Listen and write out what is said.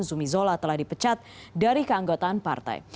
zumi zola telah dipecat dari keanggotaan partai